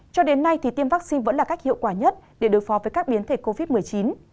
cho đến nay thì tiêm vaccine vẫn là cách hiệu quả nhất để đối phó với các biến thể covid một mươi chín